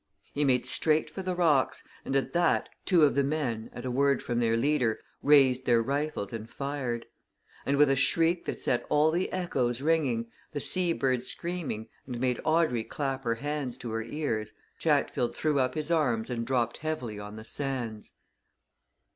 He made straight for the rocks and at that, two of the men, at a word from their leader, raised their rifles and fired. And with a shriek that set all the echoes ringing, the sea birds screaming, and made Audrey clap her hands to her ears, Chatfield threw up his arms and dropped heavily on the sands.